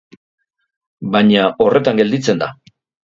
Baina horretan gelditzen da.